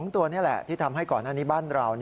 ตัวนี่แหละที่ทำให้ก่อนหน้านี้บ้านเรา